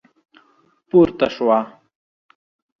پورته شوه.